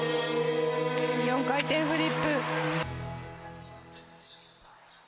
４回転フリップ。